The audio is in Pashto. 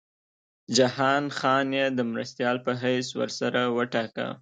جهان خان یې د مرستیال په حیث ورسره وټاکه.